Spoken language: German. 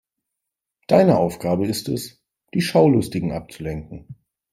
Deine Aufgabe ist es, die Schaulustigen abzulenken.